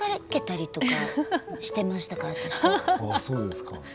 そうですか。